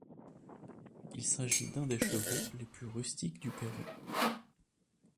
Il s'agit d'un des chevaux les plus rustiques du pérou.